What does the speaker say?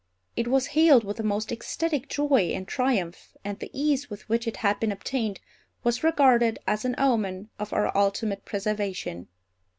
It was hailed with the most ecstatic joy and triumph, and the ease with which it had been obtained was regarded as an omen of our ultimate preservation.